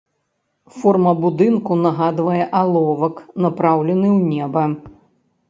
Форма будынку нагадвае аловак напраўлены ў неба.